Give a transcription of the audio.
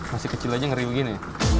masih kecil aja ngeri begini